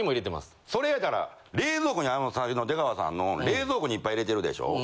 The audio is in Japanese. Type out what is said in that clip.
それやから冷蔵庫に最初の出川さんの冷蔵庫にいっぱい入れてるでしょ。